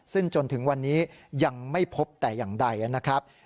ซึ่งจนถึงวันนี้ยังไม่พบแต่อย่างใดนะครับ